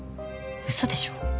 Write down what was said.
嘘でしょ